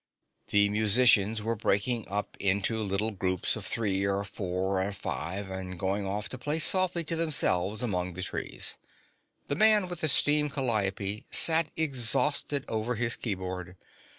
The musicians were breaking up into little groups of three and four and five and going off to play softly to themselves among the trees. The man with the steam calliope sat exhausted over his keyboard.